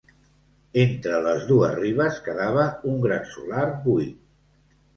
Entre les dues ribes quedava un gran solar buit.